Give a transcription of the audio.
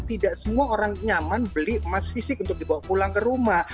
tidak semua orang nyaman beli emas fisik untuk dibawa pulang ke rumah